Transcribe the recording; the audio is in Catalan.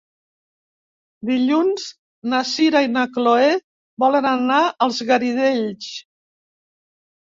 Dilluns na Sira i na Chloé volen anar als Garidells.